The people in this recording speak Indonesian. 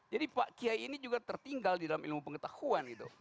jadi pak yay ini juga tertinggal di dalam ilmu pengetahuan